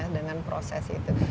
dengan proses itu